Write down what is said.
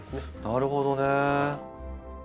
なるほどね。